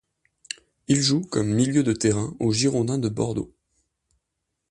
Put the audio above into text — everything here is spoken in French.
Il joue comme milieu de terrain aux Girondins de Bordeaux.